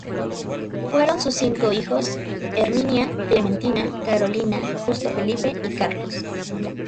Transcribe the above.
Fueron sus cinco hijos, Herminia, Clementina, Carolina, Justo Felipe y Carlos.